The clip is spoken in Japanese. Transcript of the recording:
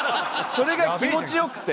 それが気持ちよくて。